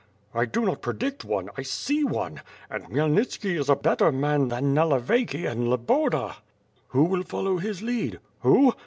"I do not predict one, I see one, and Khmyelnitski is a better man than Nalevayki and Loboda." '*Who will follow his lead?" "Who?